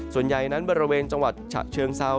ส่วนใหญ่นั้นบริเวณจังหวัดฉะเชิงเซา